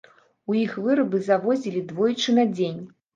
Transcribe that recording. У іх вырабы завозілі двойчы на дзень.